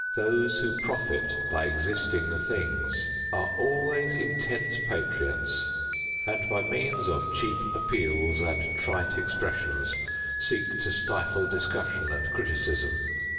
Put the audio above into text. Those who profit by existing things are always intense patriots and by means of cheap appeals and trite expressions seek to stifle discussion and criticism.